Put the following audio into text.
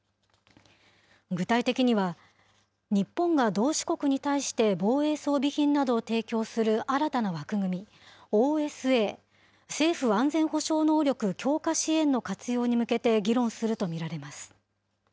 具体的には、日本が同志国に対して防衛装備品などを提供する新たな枠組み、ＯＳＡ・政府安全保障能力強化支援の活用に向けて議論すると見られます。